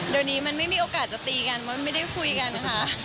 เดี๋ยวนี้มันไม่มีโอกาสจะตีกันมันไม่ได้คุยกันค่ะ